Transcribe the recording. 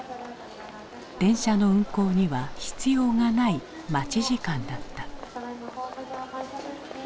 電車の運行には必要がない待ち時間だった。